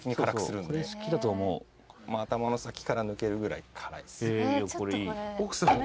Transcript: もう頭の先から抜けるぐらい辛いです。